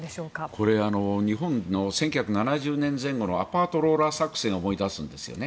これは日本の１９７０年前後のアパートローラー作戦を思い出すんですよね。